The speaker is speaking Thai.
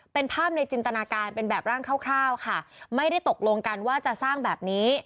เป็นภาพในจินตนาการเป็นแบบร่างคร่าวค่ะไม่ได้ตกลงกันว่าจะสร้างแบบนี้